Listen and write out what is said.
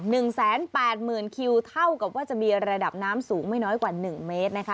หนึ่งแสนแปดหมื่นคิวเท่ากับว่าจะมีระดับน้ำสูงไม่น้อยกว่าหนึ่งเมตรนะคะ